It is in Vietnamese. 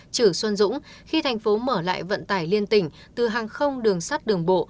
chử xuân dũng khi thành phố mở lại vận tải liên tỉnh từ hàng không đường sắt đường bộ